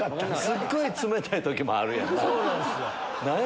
すっごい冷たい時もあるやんな。